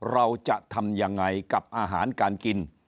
เราจะทำยังไงกับอาหารการกิน